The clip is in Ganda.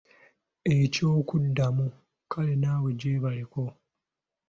Eky'okuddamu “kale naawe gyebaleko”.